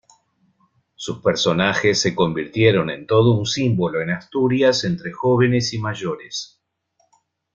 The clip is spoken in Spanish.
Sus personajes se convirtieron en todo un símbolo en Asturias entre jóvenes y mayores.